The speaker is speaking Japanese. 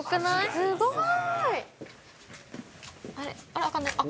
すごーい。